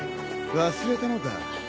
忘れたのか？